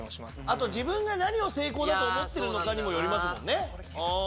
あと自分が何を成功だと思ってるのかにもよりますもんね。